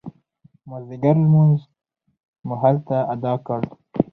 مازدیګر لمونځ مو هلته اداء کړ.